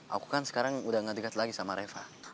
aku kan sekarang udah gak dekat lagi sama reva